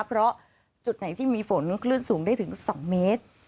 เพราะจุดไหนที่มีฝนคลื่นสูงได้ถึง๒เมตร